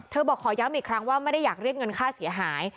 บอกขอย้ำอีกครั้งว่าไม่ได้อยากเรียกเงินค่าเสียหาย